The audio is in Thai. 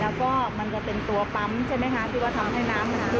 แล้วก็มันจะเป็นตัวปั๊มใช่ไหมคะที่ว่าทำให้น้ำมัน